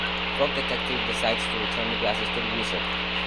Frog Detective decides to return the glasses to the Wizard.